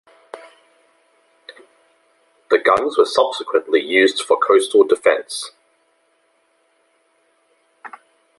The guns were subsequently used for coastal defence.